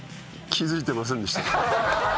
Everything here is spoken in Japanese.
気付いてませんでした。